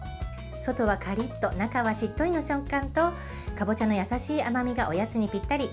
外はカリッと中はしっとりの食感とかぼちゃの優しい甘みがおやつにぴったり。